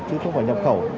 chứ không phải nhập khẩu